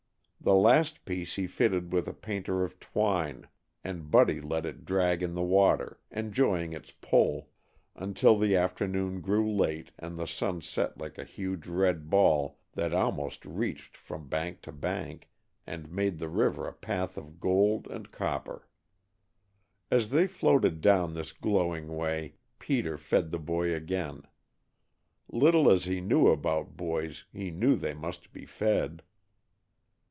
The last piece he fitted with a painter of twine, and Buddy let it drag in the water, enjoying its "pull," until the afternoon grew late and the sun set like a huge red ball that almost reached from bank to bank, and made the river a path of gold and copper. As they floated down this glowing way, Peter fed the boy again. Little as he knew about boys, he knew they must be fed.